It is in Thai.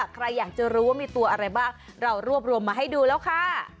ใครอยากจะรู้ว่ามีตัวอะไรบ้างเรารวบรวมมาให้ดูแล้วค่ะ